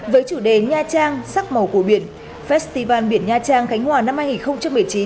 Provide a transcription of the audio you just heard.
với chủ đề nha trang sắc màu của biển festival biển nha trang khánh hòa năm hai nghìn một mươi chín